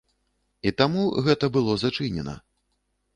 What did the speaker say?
І таму гэта было зачынена.